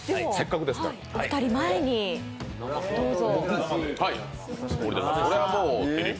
お二人、前にどうぞ。